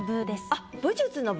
あっ「武術」の「武」